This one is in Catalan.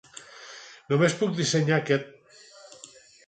Només puc dissenyar aquest.